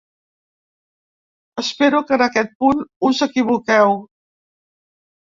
Espero que en aquest punt us equivoqueu.